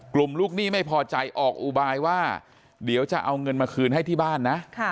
ลูกหนี้ไม่พอใจออกอุบายว่าเดี๋ยวจะเอาเงินมาคืนให้ที่บ้านนะ